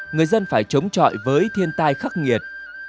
người dân phải chống chọi với thiên tai khắc nghiệt